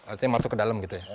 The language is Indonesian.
artinya masuk ke dalam gitu ya